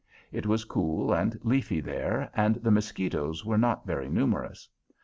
It was cool and leafy there, and the mosquitoes were not very numerous.